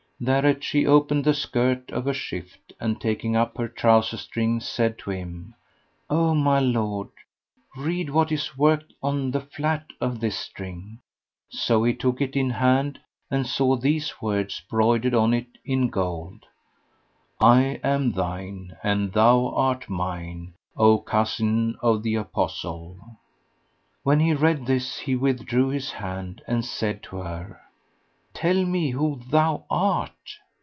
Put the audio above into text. Thereat she opened the skirt of her shift and taking up her trouser string, said to him, "O my lord, read what is worked on the flat of this string:" so he took it in hand, and saw these words broidered on it in gold, "I AM THINE, AND THOU ART MINE, O COUSIN OF THE APOSTLE!''[FN#113] When he read this, he withdrew his hand and said to her, "Tell me who thou art!"